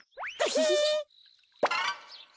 ヒヒヒ。